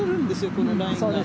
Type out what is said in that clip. このラインが。